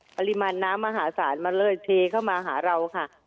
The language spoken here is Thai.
ปริมาณน้ำมหาศาลมันเลยเทเข้ามาหาเราค่ะ